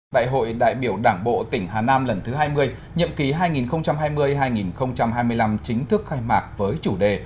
đại hội đại biểu đảng bộ tỉnh hà nam lần thứ hai mươi nhậm ký hai nghìn hai mươi hai nghìn hai mươi năm chính thức khai mạc với chủ đề